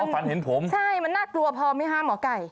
ฝันเห็นผมใช่มันน่ากลัวพอไหมคะหมอไก่